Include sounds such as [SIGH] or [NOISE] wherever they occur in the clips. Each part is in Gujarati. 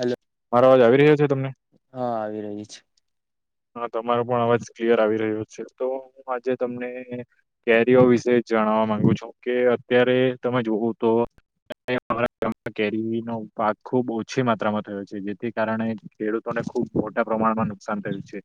હલો મારો અવાજ આવી રહ્યો છે તમને હા આવી રહી છે હા તમારો પણ અવાજ ક્લિયર આવી રહ્યો છે તો હું આજે તમને કેરીઓ વિશે જણાવવા માંગુ છું કે અત્યારે તમે જોવું તો ગમાં કેરી [INAUDIBLE] નો પાક ખુબ ઓછી માત્રામાં થયો છે જેથી કારણે ખેડૂતોને ખુબ મોટા પ્રમાણમાં નુકસાન થયું છે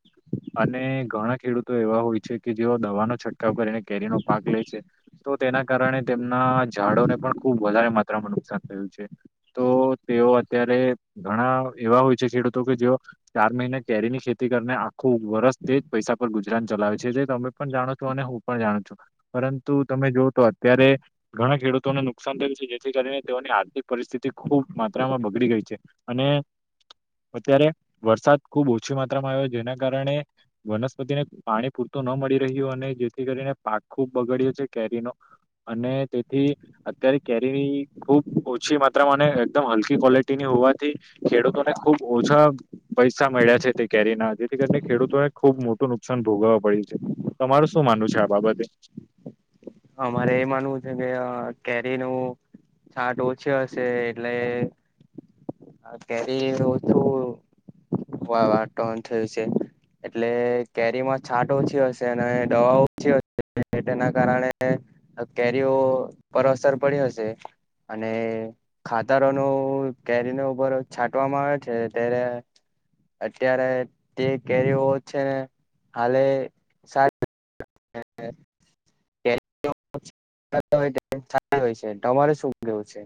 તો એવા હોય છે કે જેઓ દવાનો છંટકાવ કરીને કેરીનો પાક લે છે તો તેના કારણે તેમના ઝાડોને પણ ખુબ વધારે માત્રામાં નુકસાન થયું છે તો તેઓ અત્યારે ઘણા એવા હોય છે ખેડૂતો કે જેઓ ચાર મહિને કેરી ની ખેતી કરીને ખુબ વરસ તે જ પૈસા પર ગુજરાન ચલાવે છે તે તમે પણ જાણો છો અને હું પણ જાણું છું પરંતુ તમે જો તો અત્યારે ઘણા ખેડૂતોને નુકસાન થયું છે જેથી કરીને તેઓની આર્થિક પરિસ્થિતિ ખુબ મા બગડી ગઈ છે અને અત્યારે વરસાદ ખુબ ઓછી માત્રામાં આવ્યો જેના કારણે વનસ્પતિને પાણી પૂરતું ન મળી રહ્યું અને જેથી કરીને પાક ખૂબ બગડ્યો છે શરી ન [INAUDIBLE] અને તેથી અત્યારે કેરીની ખુબ ઓછી માત્રામાં અને એકદમ હલકી ક્વોલિટીનીય જોવાથી ખેડૂતોને ખુબ ઓછા પૈસા મળ્યા છે તે કેરીના થી કરીને ખેડૂતોને ખુબ મોટું નુકસાન ભોગવવા પડ્યું છે તમાર શું માનવ છે આ બાબતે [INAUDIBLE] અમારે એ માનવું છે કે કેરી નું છાટ ઓછી હશે એટલે કેરી ઓછું વા વાટણ થયું છે એટલે કેરીમાં છાટ ઓછી હશે અને દવા ઓછી હશે તેના કારણે કેરીઓ પર અસર પડી હશે અને ખાતરો નો કેરીનો ઉભરો છાંટવામાં આવે છે ત્યારે અત્યારે તે કેરીઓ છે ને હાલે સારી હ [INAUDIBLE] [INAUDIBLE] તમારે શું કેવું છે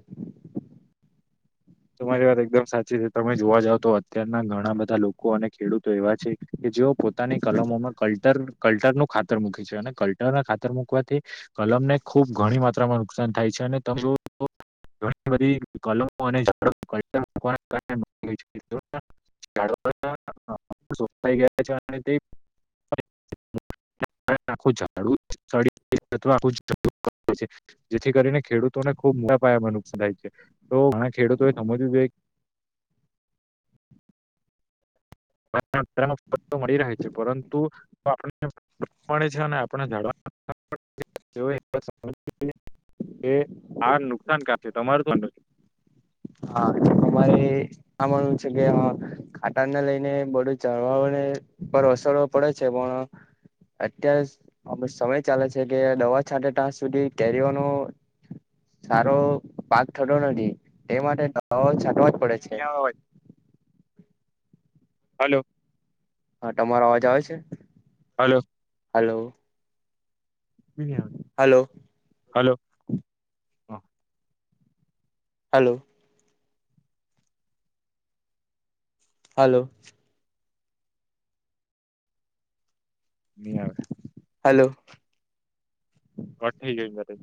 તમારી વાત એકદમ સાચી છે તમે જોવા જાવ તો અત્ય્યારે ઘણા બધા લોકો અને ખેડૂતો એવા છે કે જેઓ પોતાની કલમોમાં કલ્ટર કલ્ટર નું ખાત ખાતર મૂકી છે અને કલ્ટરને ખાતર મુૂકવાથી કલમ ને ખુબ ઘણી માત્રામાં નુકસાન થાય છે અને તમે જો ઘણી બધી કલમો અને [INAUDIBLE] થ ગયા છે તે [UNINTELLIGIBLE] આખું [UNINTELLIGIBLE] જેથી કરીને ખેડૂતોને ખુબ મોટા પયામાં નુકસાન થાય છે તો ઘણા ખેડૂ તોોય થબતી બેગ [UNINTELLIGIBLE] મળી રહે છે પરંતુ આપે છે આપણા ઝડવા [INAUDIBLE] એ આ નુકસાનકાર છે તમારું નથી હા અમારે આ માનવું છે કે કાટણને લઈને બડું ચળવાને પર અસરો પડે છે પણ અત્યારે અ સમય ચાલે છે કે દવા છાંટે તાં સુધી કેરીઓનો સારો પાક થતો નથી એ માટે દવાઓ છાટવા જ પડે છે હલો હા તમારો અવાજ આવે છે હલો હલો હલો હલોો હ હલો. હાલો. નહી આવે હલો. બ ઠીકરે